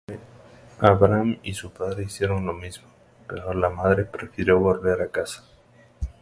Abraham y su padre hicieron lo mismo, pero la madre prefirió volver a casa.